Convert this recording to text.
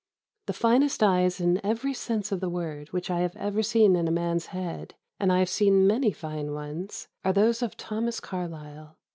The finest eyes, in every sense of the word, which I have ever seen in a man's head (and I have seen many fine ones), are those of Thomas Carlyle."